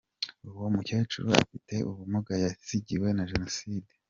Uwo mukecuru afite ubumuga yasigiwe na Jenoside.